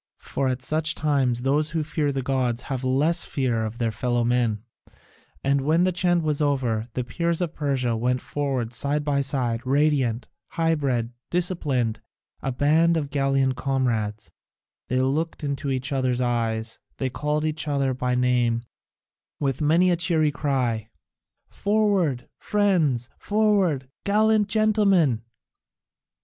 For at such times those who fear the gods have less fear of their fellow men. And when the chant was over, the Peers of Persia went forward side by side, radiant, high bred, disciplined, a band of gallant comrades; they looked into each other's eyes, they called each other by name, with many a cheery cry, "Forward, friends, forward, gallant gentlemen!"